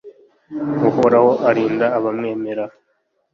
uhoraho arinda abamwemera